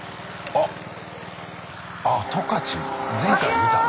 あっ十勝前回見たねうん。